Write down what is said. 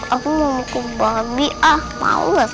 aku mau mukul babi ah maus